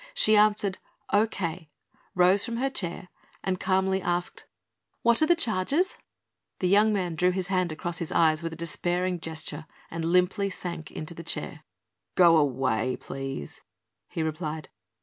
She answered: "O K," rose from her chair and calmly asked: "What are the charges?" The young man drew his hand across his eyes with a despairing gesture and limply sank into the chair. "Go away, please," he replied.